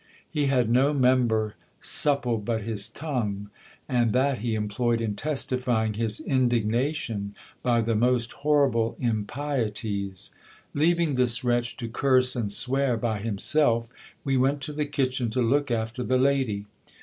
He had no member supple but his tongue ; and that he employed in testifying his indignation by the most horrible impieties. Leaving this wretch to curse and swear by himself, we went to the kitchen to look after the lady.